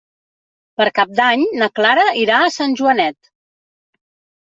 Per Cap d'Any na Clara irà a Sant Joanet.